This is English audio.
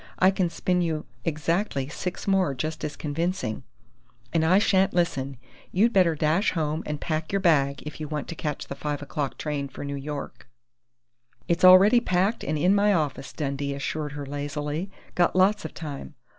"I can spin you exactly six more just as convincing " "And I shan't listen! You'd better dash home and pack your bag if you want to catch the five o'clock train for New York." "It's already packed and in my office," Dundee assured her lazily. "Got lots of time....